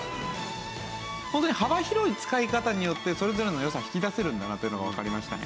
ホントに幅広い使い方によってそれぞれの良さ引き出せるんだなというのがわかりましたね。